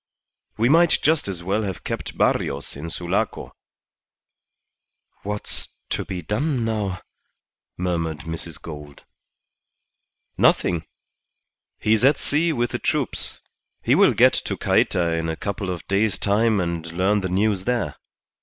We might just as well have kept Barrios in Sulaco." "What's to be done now?" murmured Mrs. Gould. "Nothing. He's at sea with the troops. He will get to Cayta in a couple of days' time and learn the news there.